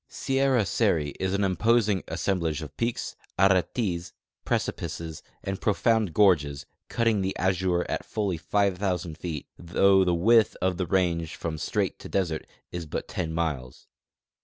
Sierra Seri is an imposing assemblage of peaks, aretes, precipices, and profound gorges, cutting the azure at fully 5,000 feet, though the width of the range from strait to desert is but 10 miles.